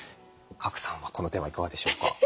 賀来さんはこのテーマいかがでしょうか？